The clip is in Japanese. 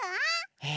え？